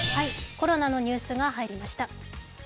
コロナのニュースが入りました。